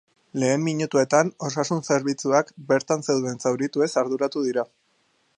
Lehen minutuetan, osasun zerbitzuak bertan zeuden zaurituez arduratu dira.